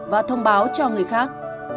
và thông báo cho người khác